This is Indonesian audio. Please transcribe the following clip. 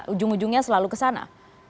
ujung ujungnya selalu kesana